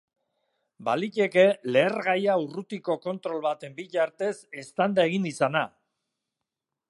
Baliteke lehergaia urrutiko kontrol baten bitartez eztanda egin izana.